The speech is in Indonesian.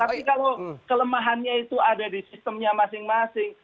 tapi kalau kelemahannya itu ada di sistemnya masing masing